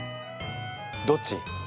どっち？